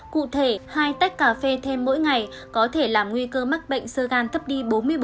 cụ thể hai tách cà phê thêm mỗi ngày có thể làm nguy cơ mắc bệnh sơ gan thấp đi bốn mươi bảy